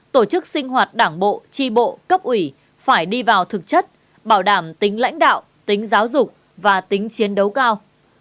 tổ chức sinh hoạt đảng bộ tri bộ cấp ủy phải đi vào thực chất bảo đảm tính lãnh đạo tính giáo dục và tính chiến đấu cao